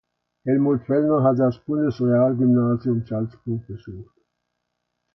Helmuth Fellner hat das Bundesrealgymnasium Salzburg besucht.